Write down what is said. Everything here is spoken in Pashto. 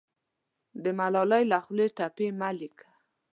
د ملالۍ له خولې ټپې مه لیکه